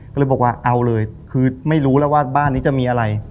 ก็เลยบอกว่าเอาเลยคือไม่รู้แล้วว่าบ้านนี้จะมีอะไร